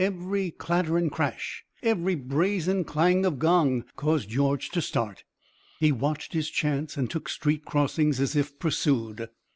Every clatter and crash, every brazen clang of gong, caused George to start; he watched his chance and took street crossings as if pursued.